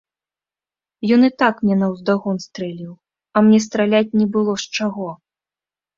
Ён і так мне наўздагон стрэліў, а мне страляць не было з чаго.